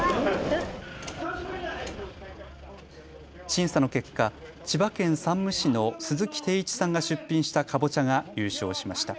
審査の結果、千葉県山武市の鈴木貞一さんが出品したかぼちゃが優勝しました。